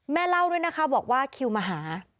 เล่าด้วยนะคะบอกว่าคิวมาหา